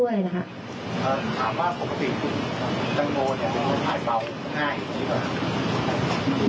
ดังโหลเนี่ยมันถ่ายเปล่าง่ายดีกว่า